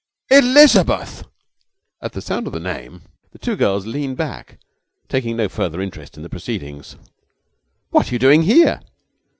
'Elizabeth!' At the sound of the name the two girls leaned back, taking no further interest in the proceedings. 'What are you doing here?'